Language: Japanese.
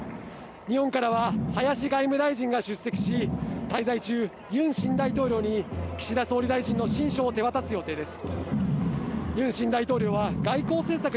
日本からは林外務大臣が出席し、滞在中、ユン新大統領に岸田総理大臣の親書を手渡す予定です。